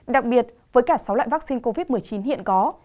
đặc biệt với cả sáu loại vaccine covid một mươi chín hiện có